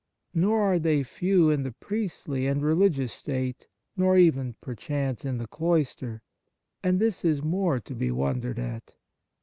Nor are they few in the priestly and religious state, nor even, per chance, in the cloister; and this is more to be wondered at.